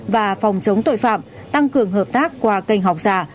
và phòng chống tội phạm tăng cường hợp tác qua kênh học giả